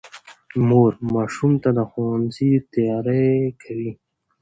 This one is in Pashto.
مور ماشوم ته د ښوونځي تیاری کوي